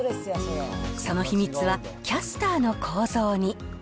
その秘密はキャスターの構造に。